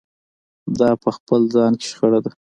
دا په خپل ځان کې شخړه ده.